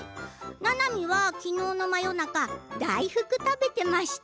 ななみは昨日の真夜中大福、食べてました。